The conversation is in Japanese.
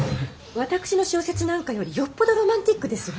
私の小説なんかよりよっぽどロマンチックですわ。